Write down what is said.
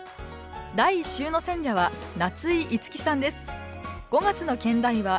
第１週の選者は夏井いつきさんです。